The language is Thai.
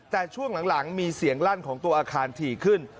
แต่ช่วงหลังมีเสียงลั่นของตัวอาคารถี่ขึ้น